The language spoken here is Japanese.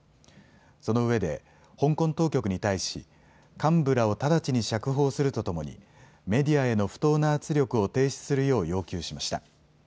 そのうえで香港当局に対し幹部らを直ちに釈放するとともにメディアへの不当な圧力を停止するよう要求しました。